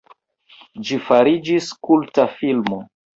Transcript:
Ĝi fariĝis kulta filmo.